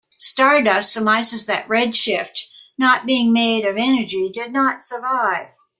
Stardust surmises that Red Shift, not being made of energy, did not survive.